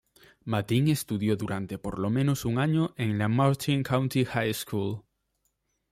Mateen estudió durante por lo menos un año en la Martin County High School.